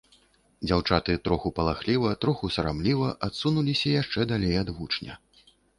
Дзяўчаты троху палахліва, троху сарамліва адсунуліся яшчэ далей ад вучня.